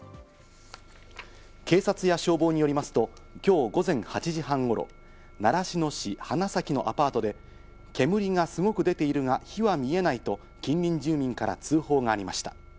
警察や消防によりますと、今日午前８時半頃、習志野市花咲のアパートで煙がすごく出ているが、火は見えないと近隣住民から通報がありました。